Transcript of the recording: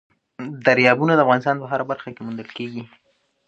دریابونه د افغانستان په هره برخه کې موندل کېږي.